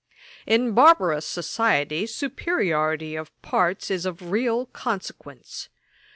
'In barbarous society, superiority of parts is of real consequence.